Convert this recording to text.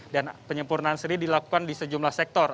dan penyempurnaan sendiri dilakukan di sejumlah sektor